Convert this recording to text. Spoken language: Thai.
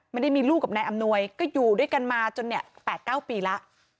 ไม่ได้มีลูกกับนายอำนวยก็อยู่ด้วยกันมาจนเนี่ย๘๙ปีแล้ว